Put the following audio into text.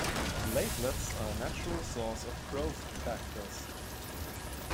Platelets are a natural source of growth factors.